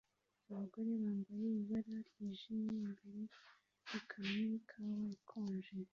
Abagore bambaye ibara ryijimye imbere yikamyo ikawa ikonje